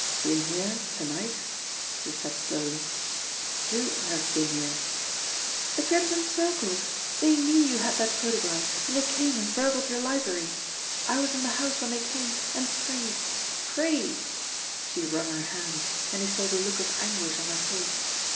"Been here to night?" he said slowly. "Who have been here?" "The Crimson Circle. They knew you had that photograph, and they came and burgled your library. I was in the house when they came, and prayed prayed" she wrung her hands and he saw the look of anguish on her face.